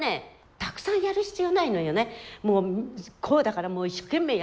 たくさんやる必要ないのよね。